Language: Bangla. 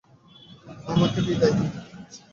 আমাকে বিদায় দিন।